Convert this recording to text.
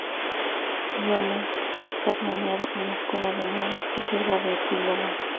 Jones está planeando una secuela de Moon que sirva de epílogo.